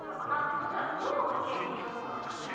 そしたら脳の研究のところだったんですよ。